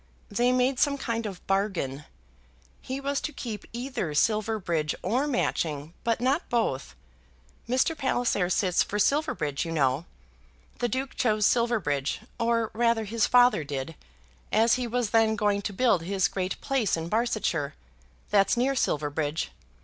They made some kind of bargain; he was to keep either Silverbridge or Matching, but not both. Mr. Palliser sits for Silverbridge, you know. The Duke chose Silverbridge, or rather his father did, as he was then going to build his great place in Barsetshire; that's near Silverbridge.